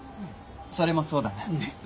それもそうだな。